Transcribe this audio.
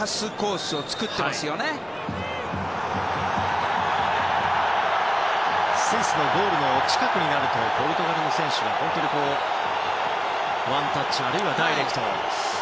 スイスのゴールの近くになるとポルトガルの選手はワンタッチあるいはダイレクト。